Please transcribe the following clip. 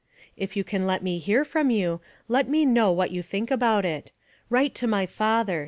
" If you can let me hear from you, let me know what you think about it. Write to my father.